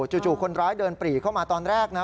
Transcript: จู่คนร้ายเดินปรีเข้ามาตอนแรกนะ